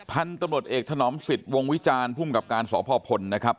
พันธุ์ตำรวจเอกถนอมสิทธิ์วงวิจารณ์ภูมิกับการสพพลนะครับ